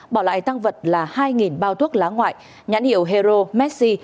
bỏ lại tăng vật là hai bao thuốc lá ngoại nhãn hiệu hero messi